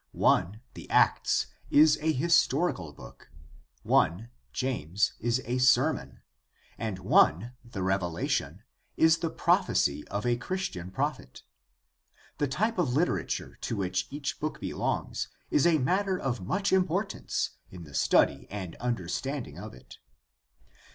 One, the Acts, is a historical book; one, James, is a sermon; and one, the Revelation, is the prophecy of a Christian prophet. The type of literature to which each book belongs is a matter of much importance in the study and understanding of it.